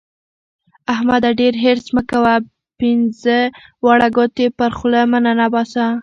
احمده! ډېر حرص مه کوه؛ پينځه واړه ګوتې پر خوله مه ننباسه.